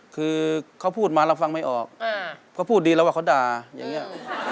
คือเขาพูดมาเราฟังไม่ออกเขาพูดดีแล้วว่าเขาด่าอย่างนี้